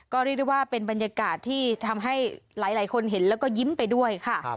ก็เรียกได้ว่าเป็นบรรยากาศที่ทำให้หลายคนเห็นแล้วก็ยิ้มไปด้วยค่ะ